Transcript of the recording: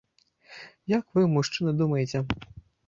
Як вы, мужчыны, думаеце?